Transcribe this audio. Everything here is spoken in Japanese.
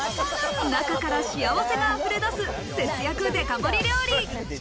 中から幸せが溢れ出す節約デカ盛り料理。